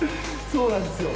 そうなんですよ。